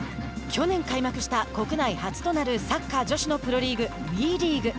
去年開幕した国内初となるサッカー女子のプロリーグＷＥリーグ。